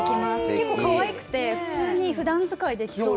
結構かわいくて、普通にふだん使いできそうな。